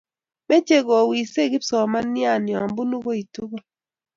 mechei kowisei kipsomanian yabunuu ooii tukul